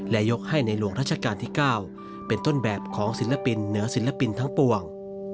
และยกให้ในหลวงราชการที่๙เป็นต้นแบบของศิลปินเหนือศิลปินทั้งปวง